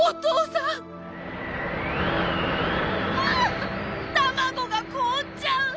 ああったまごがこおっちゃう！